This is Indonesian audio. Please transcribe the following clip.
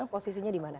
posisi di mana